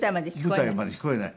舞台まで聞こえない。